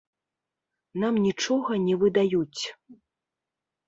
Нам нічога не выдаюць.